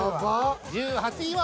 １８位は。